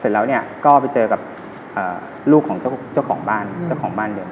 เสร็จแล้วเนี่ยก็ไปเจอกับลูกของเจ้าของบ้านเจ้าของบ้านเยอะ